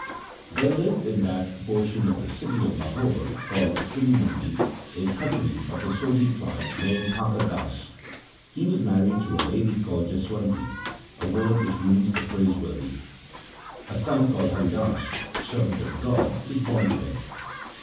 There lived in that portion of the city of Lahore called Chuni Mandi a Khatri of the Sodhi tribe named Thakar Das. He was married to a lady called Jaswanti, a word which means the praise worthy. A son called Hari Das (Servant of God) was born to them.